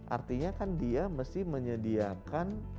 artinya kan dia mesti menyediakan